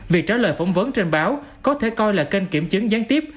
việc trả lời phỏng vấn trên báo có thể coi là kênh kiểm chứng gián tiếp